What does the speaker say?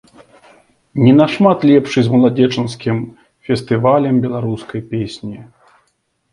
Не нашмат лепш і з маладзечанскім фестывалем беларускай песні.